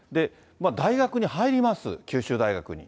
大学に入ります、九州大学に。